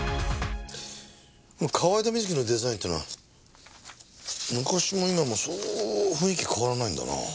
河井田瑞希のデザインっていうのは昔も今もそう雰囲気変わらないんだな。